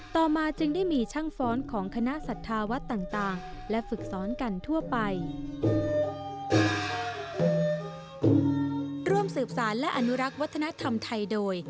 ต่อมาจึงได้มีช่างฟ้อนของคณะศรัทธาวัดต่างและฝึกซ้อนกันทั่วไป